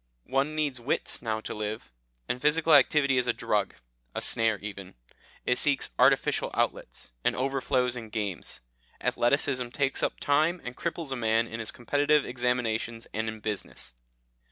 One needs wits now to live, and physical activity is a drug, a snare even; it seeks artificial outlets, and overflows in games. Athleticism takes up time and cripples a man in his competitive examinations, and in business.